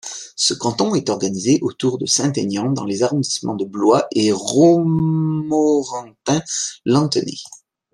Ce canton est organisé autour de Saint-Aignan dans les arrondissements de Blois et Romorantin-Lanthenay.